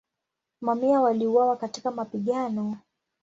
Mamia waliuawa katika mapigano.